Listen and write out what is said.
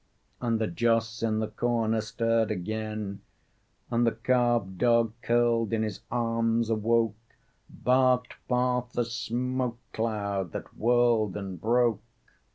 And the joss in the corner stirred again; And the carved dog, curled in his arms, awoke, Barked forth a smoke cloud that whirled and broke.